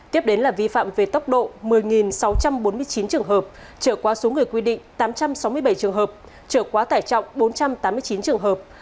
tiếp đến là vi phạm về tốc độ một mươi sáu trăm bốn mươi chín trường hợp trở qua số người quy định tám trăm sáu mươi bảy trường hợp trở quá tải trọng bốn trăm tám mươi chín trường hợp